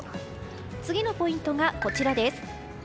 次のポイントがこちらです。